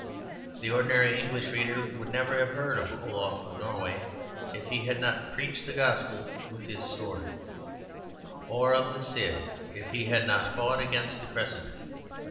The ordinary English reader would never have heard of Olaf of Norway if he had not "preached the Gospel with his sword"; or of the Cid if he had not fought against the Crescent.